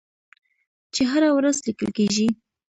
چې هره ورځ لیکل کیږي.